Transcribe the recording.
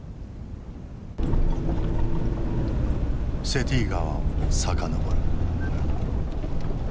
セティ川を遡る。